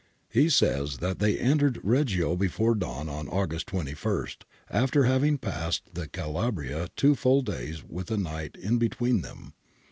He says {Bixio, 234), that they entered Reggio before dawn on August 21,^ after having passed in Cala bria two full days with a night in between them.